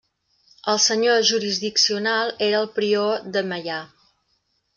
El senyor jurisdiccional era el prior de Meià.